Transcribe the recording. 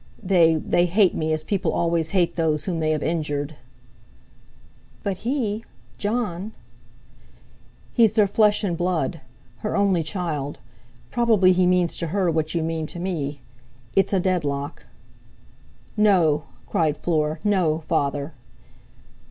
They—they hate me, as people always hate those whom they have injured." "But he—Jon—" "He's their flesh and blood, her only child. Probably he means to her what you mean to me. It's a deadlock." "No," cried Fleur, "no, Father!"